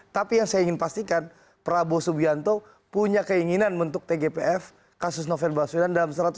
tapi yang saya ingin pastikan prabowo subianto punya keinginan membentuk tgpf kasus novel baswedan dalam seratus hari